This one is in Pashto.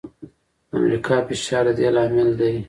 د امریکا فشار د دې لامل دی.